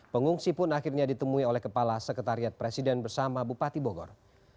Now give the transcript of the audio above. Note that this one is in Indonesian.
pengungsi pun akhirnya ditemui oleh kepala sekretariat presiden bersama bupati bogor